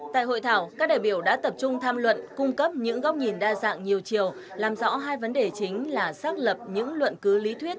tại hội thảo các đại biểu đã tập trung tham luận cung cấp những góc nhìn đa dạng nhiều chiều làm rõ hai vấn đề chính là xác lập những luận cứ lý thuyết